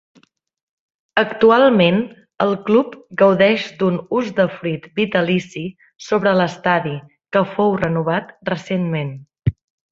Actualment el club gaudeix d'un usdefruit vitalici sobre l'Estadi, que fou renovat recentment.